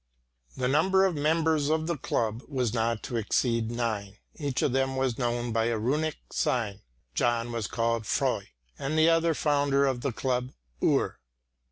The number of members of the club was not to exceed nine; each of them was known by a Runic sign. John was called "Frö" and the other founder of the club, "Ur."